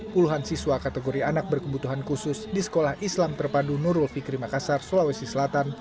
puluhan siswa kategori anak berkebutuhan khusus di sekolah islam terpadu nurul fikri makassar sulawesi selatan